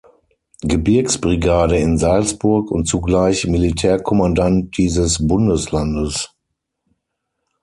Gebirgsbrigade in Salzburg und zugleich Militärkommandant dieses Bundeslandes.